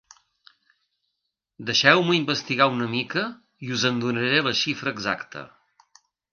Deixeu-m'ho investigar una mica i us en donaré la xifra exacta.